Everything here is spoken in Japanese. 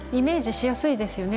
しやすいですね。